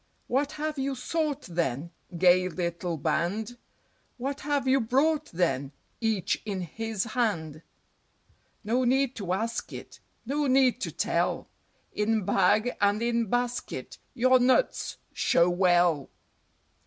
What have you sought, then, Gay little Band? What have you brought, then, Each in his Hand? No need to ask it; No need to tell; In Bag and in Basket Your nuts show well!